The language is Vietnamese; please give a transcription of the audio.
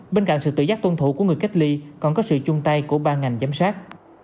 bên cạnh sự tự giác tuân thủ của người cách ly còn có sự chung tay của ba ngành giám sát